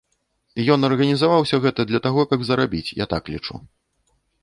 Ён арганізаваў усё гэта для таго, каб зарабіць, я так лічу.